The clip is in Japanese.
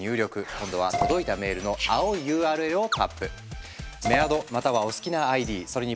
今度は届いたメールの青いＵＲＬをタップ。